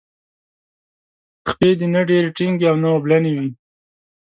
خپې دې نه ډیرې ټینګې او نه اوبلنې وي.